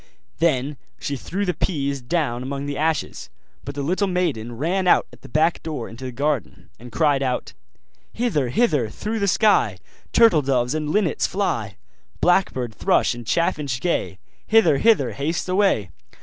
Then she threw the peas down among the ashes, but the little maiden ran out at the back door into the garden, and cried out: 'Hither, hither, through the sky, Turtle doves and linnets, fly! Blackbird, thrush, and chaffinch gay, Hither, hither, haste away!